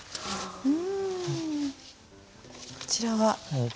こちらは？